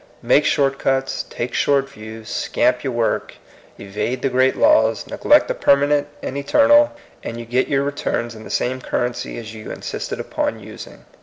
Make short cuts, take short views, scamp your work, evade the great laws, neglect the permanent and eternal, and you get your returns in the same currency as you insisted upon using.